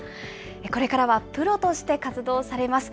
これからはプロとして活動されます。